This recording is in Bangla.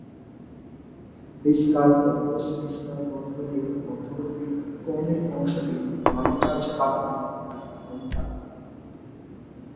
ডিসকাল ও পোস্ট-ডিসকাল বন্ধনীর মধ্যবর্তী কৌণিক অংশটি ঘন কালচে বাদামি বা ঘন কালো।